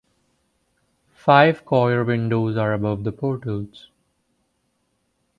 Five choir windows are above the portals.